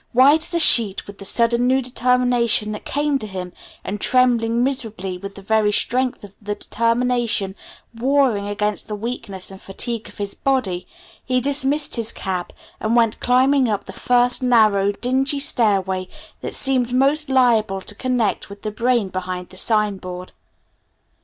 White as a sheet with the sudden new determination that came to him, and trembling miserably with the very strength of the determination warring against the weakness and fatigue of his body, he dismissed his cab and went climbing up the first narrow, dingy stairway that seemed most liable to connect with the brain behind the sign board.